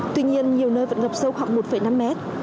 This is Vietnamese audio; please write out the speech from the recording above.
tuy nhiên nhiều nơi vẫn ngập sâu khoảng một năm mét